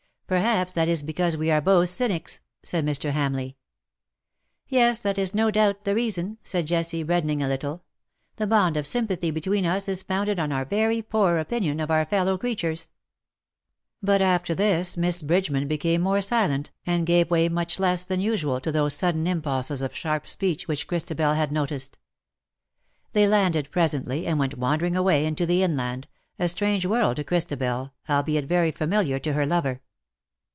^'''^ Perhaps, that is because we are both cynics/^ said Mr. Hamleigh. '^ Yes^ that is no doubt the reason/^ said Jessie^ reddening a little ;" the bond of sympathy between us is founded on our very poor opinion of our fellow creatures.^^ But after this Miss Bridgeman became more silent, and gave way much less than usual to those sudden impulses of sharp speech which Christabel had noticed. They landed presently, and went wandering away into the inland — a strange world to Christabel, albeit very familiar to her lover.